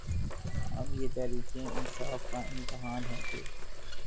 اب یہ تحریک انصاف کا امتحان ہے کہ